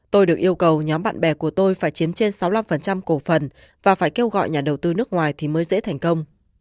tôi được yêu cầu nhóm bạn bè của tôi phải chiếm trên sáu mươi năm cổ phần và phải kêu gọi nhà đầu tư nước ngoài thì mới dễ thành công